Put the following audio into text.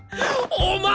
お前！